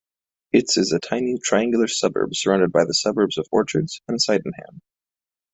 Its is a tiny triangular suburb surrounded by the suburbs of Orchards and Sydenham.